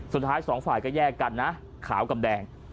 สุดท้ายสองฝ่ายก็แยกกันนะขาวกำแดง